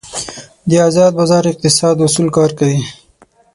د ازاد بازار اقتصاد اصول کار کوي.